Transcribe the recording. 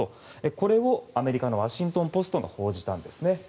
これをアメリカのワシントン・ポストが報じたんです。